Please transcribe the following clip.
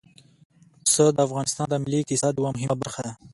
پسه د افغانستان د ملي اقتصاد یوه مهمه برخه ده.